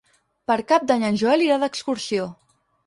Per Cap d'Any en Joel irà d'excursió.